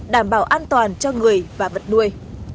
đảm bảo an toàn cho người và vật nuôi